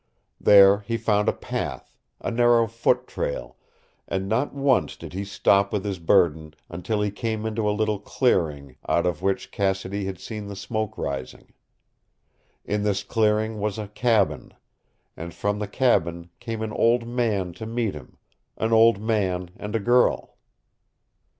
There he found a path, a narrow foot trail, and not once did he stop with his burden until he came into a little clearing, out of which Cassidy had seen the smoke rising. In this clearing was a cabin, and from the cabin came an old man to meet him an old man and a girl.